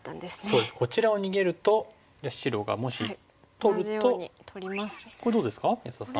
そうですこちらを逃げるとじゃあ白がもし取るとこれどうですか安田さん。